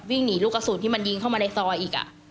วิ่งหนีลูกกระสุนที่มันยิงเข้ามาในซอยอีก